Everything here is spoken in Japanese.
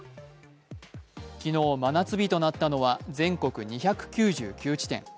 昨日真夏日となったのは全国２９９地点。